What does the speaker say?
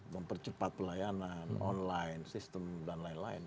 mempercepat pelayanan online sistem dan lain lain